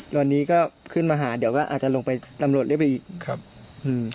ตอนนี้ก็ขึ้นมาหาเดี๋ยวก็อาจจะลงไปตำรวจเรียกไปอีกครับอืม